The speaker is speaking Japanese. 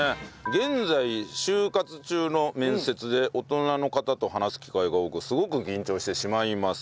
現在就活中の面接で大人の方と話す機会が多くすごく緊張してしまいます。